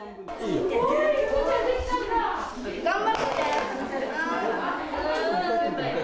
頑張って。